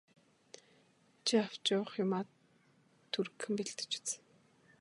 Чи авч явах юмаа түргэхэн бэлдэж үз.